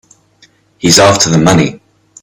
He's after the money.